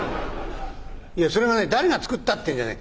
いやそれがね誰が作ったってんじゃねえ。